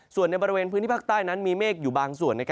ส่วนในบริเวณพื้นที่ภาคใต้นั้นมีเมฆอยู่บางส่วน